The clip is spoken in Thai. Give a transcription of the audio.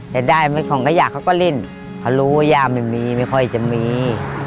แต่ได้ไหมของขยะเขาก็เล่นเขารู้ว่าย่าไม่มีไม่ค่อยจะมี